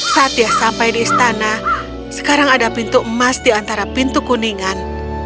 saat dia sampai di istana sekarang ada pintu emas di antara pintu kuningan